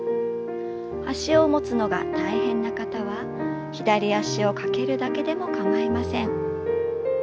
脚を持つのが大変な方は左脚をかけるだけでもかまいません。